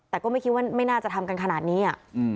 แต่ก็ไม่คิดว่าไม่น่าจะทำกันขนาดนี้